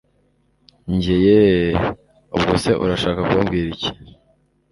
njye yeeeeh! ubwo se urashaka kumbwira iki!